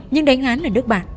nhưng đánh án ở nước bạn